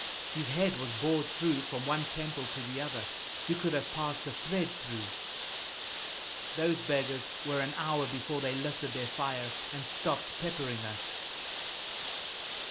"His head was bored through from one temple to the other. You could have passed a thread through." "Those beggars were an hour before they lifted their fire and stopped peppering us."